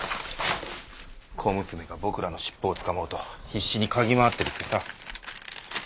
小娘が僕らの尻尾をつかもうと必死に嗅ぎ回ってるってさ。